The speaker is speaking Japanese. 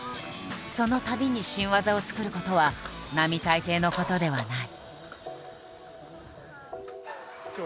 そのたびに新技を作ることは並大抵のことではない。